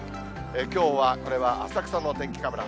きょうはこれは浅草のお天気カメラ。